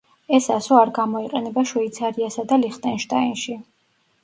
ეს ასო არ გამოიყენება შვეიცარიასა და ლიხტენშტაინში.